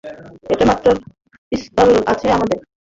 একটা মাত্র পিস্তল আছে আমাদের।